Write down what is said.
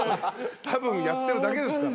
たぶんやってるだけですから。